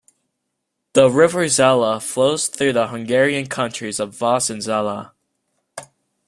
The River Zala flows through the Hungarian counties of Vas and Zala.